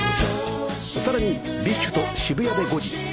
さらにＢｉＳＨと『渋谷で５時』